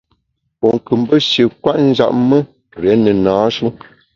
Wu kù mbe shi kwet njap me, rié ne na-shu.